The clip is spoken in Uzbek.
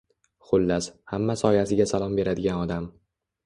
Xullas, hamma soyasiga salom beradigan odam!